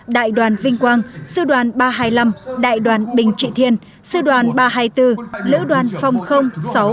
đại đoàn vinh quang sư đoàn ba trăm hai mươi năm đại đoàn bình trị thiên sư đoàn ba trăm hai mươi bốn lữ đoàn phòng sáu trăm sáu mươi tám